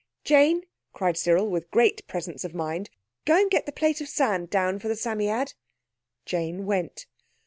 "Jane," cried Cyril with great presence of mind, "go and get the plate of sand down for the Psammead." Jane went.